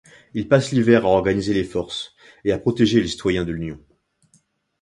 Il passe l'hiver à organiser les forces et à protéger les citoyens de l'Union.